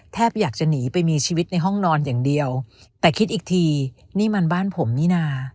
อยากจะหนีไปมีชีวิตในห้องนอนอย่างเดียวแต่คิดอีกทีนี่มันบ้านผมนี่นา